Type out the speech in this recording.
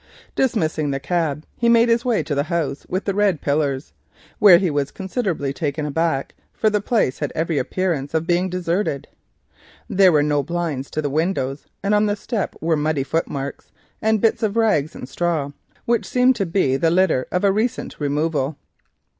Dismissing the cab he made his way to the house with the red pillars, but on arriving was considerably taken aback, for the place had every appearance of being deserted. There were no blinds to the windows, and on the steps were muddy footmarks and bits of rag and straw which seemed to be the litter of a recent removal.